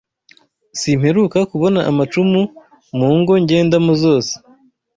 simperuka kubona ’amacumu mungo njyendamo zose